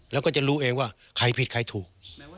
แล้วก็จะรู้เองว่าใครผิดใครถูก